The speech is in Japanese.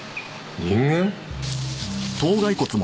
人間？